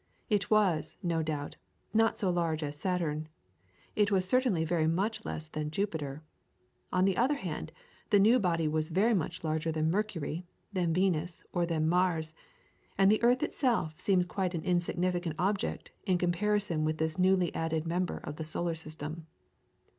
It was, no doubt, not so large as Saturn, it was certainly very much less than Jupiter; on the other hand, the new body was very much larger than Mercury, than Venus, or than Mars, and the earth itself seemed quite an insignificant object in comparison with this newly added member of the Solar System.